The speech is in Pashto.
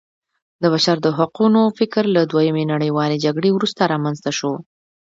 د بشر د حقونو فکر له دویمې نړیوالې جګړې وروسته رامنځته شو.